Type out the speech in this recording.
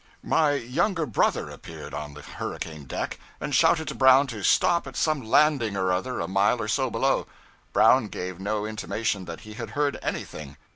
My younger brother appeared on the hurricane deck, and shouted to Brown to stop at some landing or other a mile or so below. Brown gave no intimation that he had heard anything.